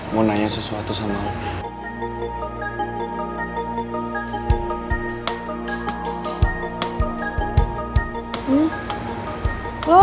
mau nanya sesuatu sama